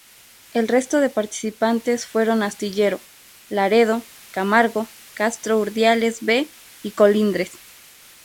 El resto de participantes fueron Astillero, Laredo, Camargo, Castro Urdiales B y Colindres.